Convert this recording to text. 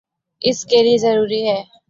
اس کے لئیے ضروری ہے